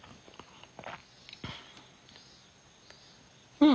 うん。